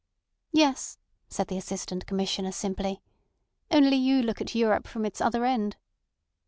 "Yes," said the Assistant Commissioner simply. "Only you look at Europe from its other end.